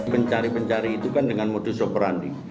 pencari pencari itu kan dengan modus operandi